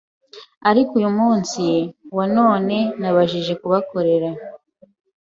ariko uyu munsi wa none nabashije kubakorera